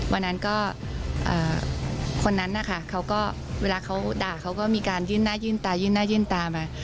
วันนั้นก็คนนั้นนะคะเขาก็เวลาเขาด่าเขาก็มีการยื่นหน้ายื่นตายื่นหน้ายื่นตามา